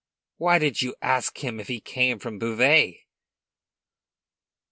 why did you ask him if he came from Beauvais?"